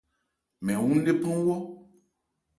Mɛn wú ńnephan wɔ́.